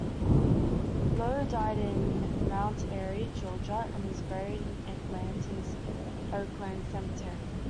Lowe died in Mount Airy, Georgia, and is buried in Atlanta's Oakland Cemetery.